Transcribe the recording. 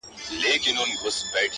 په ځنگله کی به آزاد یې د خپل سر یې -